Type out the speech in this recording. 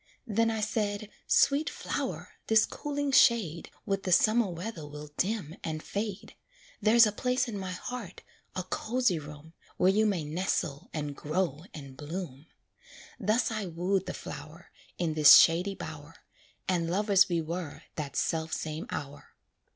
Then I said, "Sweet flower, this cooling shade With the summer weather will dim and fade, There's a place in my heart a cozy room Where you may nestle and grow and bloom." Thus I wooed the flower, In this shady bower, And lovers we were that self same hour.